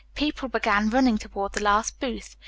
People began running toward the last booth.